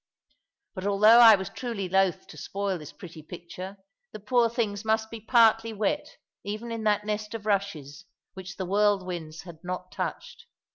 But although I was truly loath to spoil this pretty picture, the poor things must be partly wet, even in that nest of rushes, which the whirlwinds had not touched.